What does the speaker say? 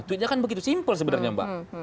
tweetnya kan begitu simpel sebenarnya mbak